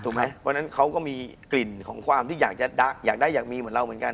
เพราะฉะนั้นเขาก็มีกลิ่นของความที่อยากได้อยากมีเหมือนเราเหมือนกัน